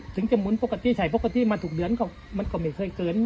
ถึงจะหมุนใช้ปกติมาถูกเดือนก็ไม่เคยเกิน